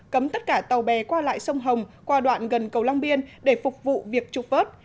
cấm tất cả tàu bè qua lại sông hồng qua đoạn gần cầu long biên để phục vụ việc trục vớt